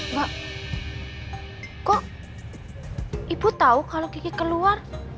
mbak kok ibu tahu kalau kiki keluar